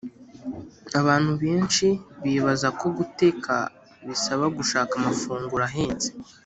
abantu benshi bibazako guteka bisaba gushaka amafunguro ahenze,